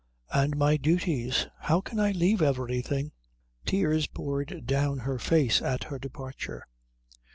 "And my duties how can I leave everything?" Tears poured down her face at her departure.